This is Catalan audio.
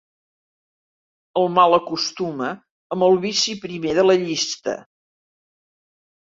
El malacostuma amb el vici primer de la llista.